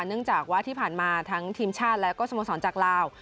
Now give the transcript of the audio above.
เนื่องจากว่าที่ผ่านมาทั้งทีมชาติและก็สโมสรจากลาว